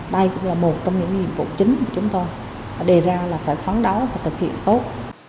đây cũng là một trong những nhiệm vụ chính mà chúng tôi đề ra là phải phán đấu và thực hiện tốt